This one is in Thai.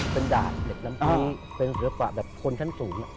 เป็นดาดเหล็กน้ำทีเป็นเหลือขวาแบบคนขั้นสูง